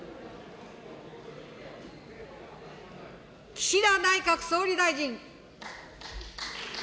岸田内閣総理大臣。